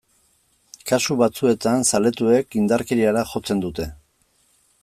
Kasu batzuetan, zaletuek indarkeriara jotzen dute.